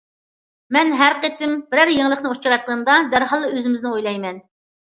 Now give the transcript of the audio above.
مەن ھەر قېتىم بىرەر يېڭىلىقنى ئۇچراتقىنىمدا، دەرھاللا ئۆزىمىزنى ئويلايمەن.